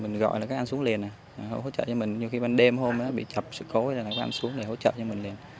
hỗ trợ cho mình nhiều khi ban đêm hôm bị chập sự cố thì các anh xuống để hỗ trợ cho mình liền